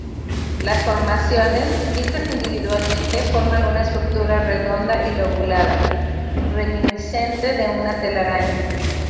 Las formaciones, vistas individualmente, forman una estructura redonda y lobulada, reminiscente de una telaraña.